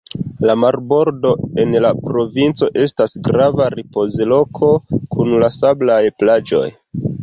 La marbordo en la provinco estas grava ripozloko kun sablaj plaĝoj.